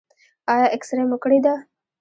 ایا اکسرې مو کړې ده؟